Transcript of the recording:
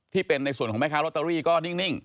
ที่เป็นในส่วนของแม่ค้าลอตเตอรี่ก็นิ่ง